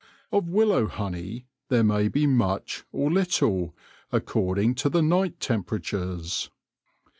Of willow honey there may be much or little, according to the night temperatures.